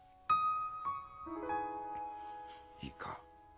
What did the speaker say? いいか？